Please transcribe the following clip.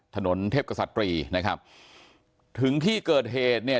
ถนนเทพกษัตรีนะครับถึงที่เกิดเหตุเนี่ย